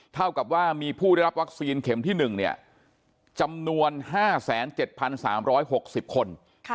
เท่ากับว่ามีผู้ได้รับวัคซีนเข็มที่๑จำนวน๕๗๓๖๐คน